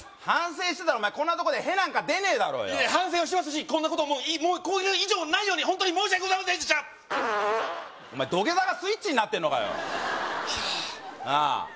反省してたらこんなとこで屁なんか出ねえだろうよいえ反省はしてますしこんなこともうこれ以上ないように本当に申し訳ございませんでしたお前土下座がスイッチになってんのかああなあ